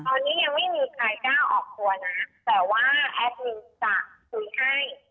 ตอนนี้ยังไม่มีใครกล้าออกตัวนะ